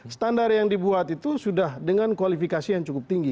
standar yang dibuat itu sudah dengan kualifikasi yang cukup tinggi